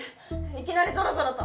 いきなりぞろぞろと。